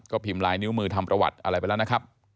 พิมพ์ลายนิ้วมือทำประวัติอะไรไปแล้วนะครับ